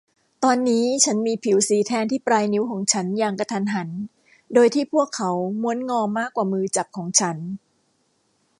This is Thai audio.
ตอนนี้ฉันมีผิวสีแทนที่ปลายนิ้วของฉันอย่างกระทันหันโดยที่พวกเขาม้วนงอมากกว่ามือจับของฉัน